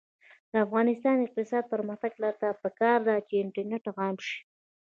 د افغانستان د اقتصادي پرمختګ لپاره پکار ده چې انټرنیټ عام شي.